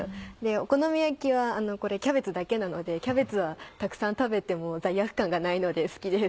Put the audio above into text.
お好み焼きはこれキャベツだけなのでキャベツはたくさん食べても罪悪感がないので好きです。